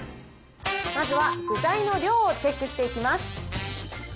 まずは具材の量をチェックしていきます。